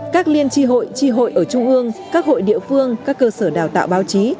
các liên tri hội tri hội ở trung ương các hội địa phương các cơ sở đào tạo báo chí